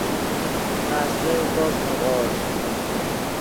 خاستے کوپ نیغوڑ